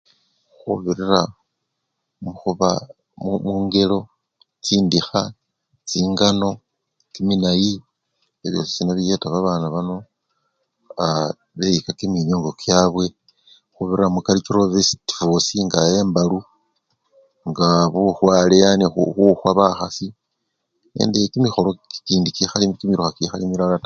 Khubilira mukhuba! mukhu! mukhu! mungelo chindikha, chingano, kiminayi, ebyo byosi biyeta babana bano aaa! beyika kiminiongo kyabwe khubirira mu-karichoro festivals chosi nga embalu nga bukhwale yani khu! khukhwa bakhasi nende kimikholo kikindi kikhali kimi! kikhali milala taa.